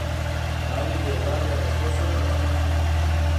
پلاوی له یو لړ یادښتونو سره راستون شو.